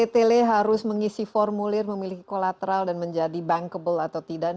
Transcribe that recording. tele harus mengisi formulir memiliki kolateral dan menjadi bankable atau tidak